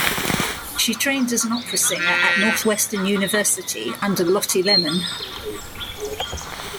She trained as an opera singer at Northwestern University under Lotte Lehmann.